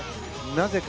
なぜか。